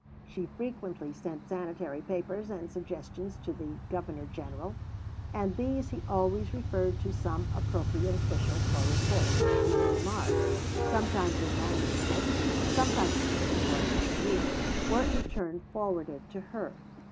She frequently sent sanitary papers and suggestions to the Governor General, and these he always referred to some appropriate official for report, whose remarks (sometimes in manuscript, sometimes printed for official use) were in turn forwarded to her.